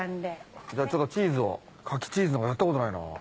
じゃあちょっとチーズをカキチーズとかやったことないな。